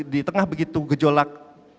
di tengah begitu gejolak